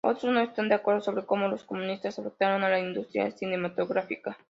Otros no están de acuerdo sobre cómo los comunistas afectaron a la industria cinematográfica.